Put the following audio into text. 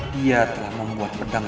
dia telah membuat pedang